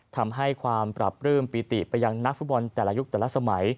ทำให้ความปรับปลื้มปีติไปยังนักฟุตบอลแต่ละยุคแต่ละสมัย